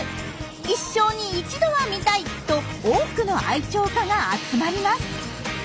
一生に一度は見たいと多くの愛鳥家が集まります。